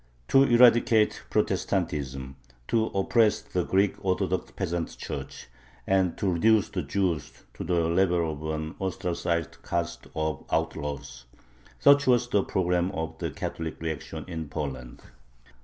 To eradicate Protestantism, to oppress the Greek Orthodox "peasant Church," and to reduce the Jews to the level of an ostracized caste of outlaws such was the program of the Catholic reaction in Poland.